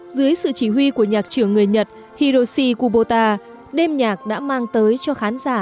dưới sự chỉ huy của nhạc trưởng người nhật hiroshi kubota đêm nhạc đã mang tới cho khán giả